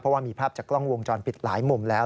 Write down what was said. เพราะว่ามีภาพจากกล้องวงจรปิดหลายมุมแล้ว